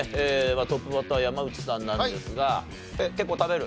トップバッター山内さんなんですが結構食べる？